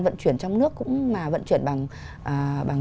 vận chuyển trong nước cũng mà vận chuyển bằng